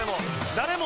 誰も。